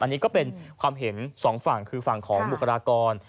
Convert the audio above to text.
อันนี้ก็เป็นความเห็นสองฝั่งคือฝั่งของบุคลากร